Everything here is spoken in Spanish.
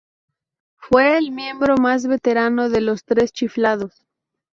Fue el miembro más veterano de Los Tres Chiflados.